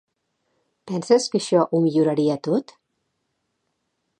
Penses que això ho milloraria tot?